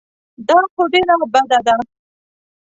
دا خو ډېره بده ده.